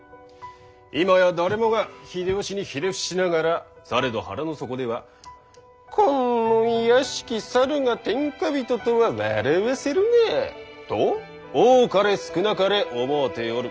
今や誰もが秀吉にひれ伏しながらされど腹の底では「この卑しき猿が天下人とは笑わせるな」と多かれ少なかれ思うておる。